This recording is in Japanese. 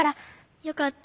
よかった。